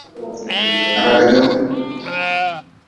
Radigm.